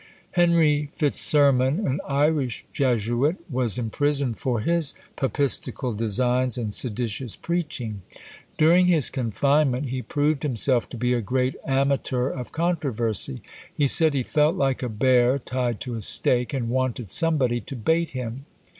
Henry Fitzsermon, an Irish Jesuit, was imprisoned for his papistical designs and seditious preaching. During his confinement he proved himself to be a great amateur of controversy. He said, "he felt like a bear tied to a stake, and wanted somebody to bait him."